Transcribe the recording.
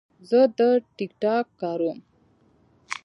زه د ټک ټاک کاروم.